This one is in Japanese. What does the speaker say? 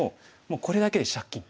これだけで借金。